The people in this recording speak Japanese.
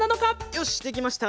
よしできました！